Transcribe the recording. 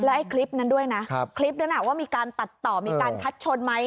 ไอ้คลิปนั้นด้วยนะคลิปนั้นว่ามีการตัดต่อมีการคัดชนไหม